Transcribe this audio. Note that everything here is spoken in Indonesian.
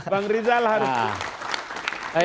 bang rizal harus